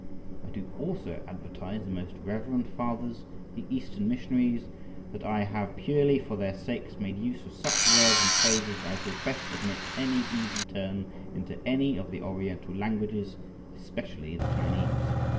I do also advertise the most reverend fathers the Eastern missionaries that I have purely for their sakes made use of such words and phrases as will best admit an easy turn into any of the Oriental languages, especially the Chinese.